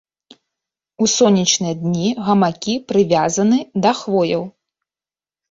У сонечныя дні гамакі прывязаны да хвояў.